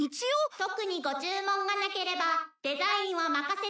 「特にご注文がなければデザインは任せていただきます」